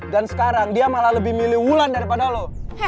dan sekarang dia malah lebih milih wulan daripada lo